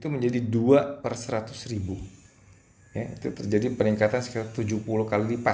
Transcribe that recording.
membahayakan anak anak juga